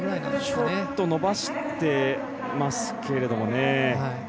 ちょっと伸ばしてますけれどもね。